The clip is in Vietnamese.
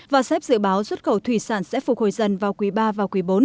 varsep dự báo xuất khẩu thủy sản sẽ phục hồi dần vào quý ba và quý bốn